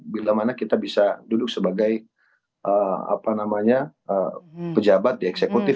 bila mana kita bisa duduk sebagai pejabat di eksekutif